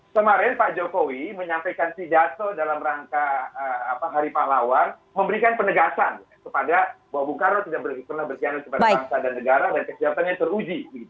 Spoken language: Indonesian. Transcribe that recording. kemarin pak jokowi menyampaikan pidato dalam rangka hari pahlawan memberikan penegasan kepada bahwa bung karno tidak pernah berkhianat kepada bangsa dan negara dan kesiapannya teruji